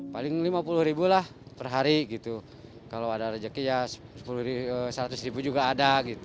paling rp lima puluh per hari kalau ada rezeki rp seratus juga ada